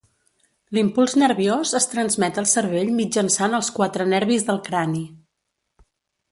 L'impuls nerviós es transmet al cervell mitjançant els quatre nervis del crani.